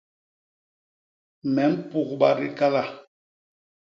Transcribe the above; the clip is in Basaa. Me mpugba dikala.